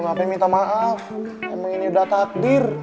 ngapain minta maaf emang ini udah takdir